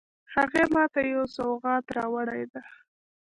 هغې ما ته یو سوغات راوړی ده